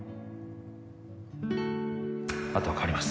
あとは代わります